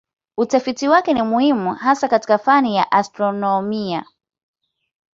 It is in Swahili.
Utafiti wake ni muhimu hasa katika fani ya astronomia.